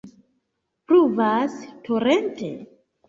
Pluvas torente.